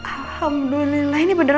alhamdulillah ini berdiri